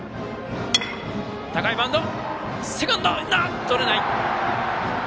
セカンドとれない！